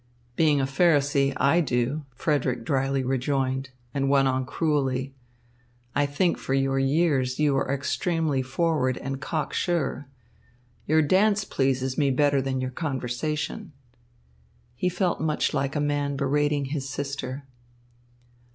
"Being a Pharisee, I do," Frederick drily rejoined, and went on cruelly: "I think for your years you are extremely forward and cock sure. Your dance pleases me better than your conversation." He felt much like a man berating his sister.